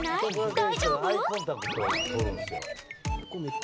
大丈夫？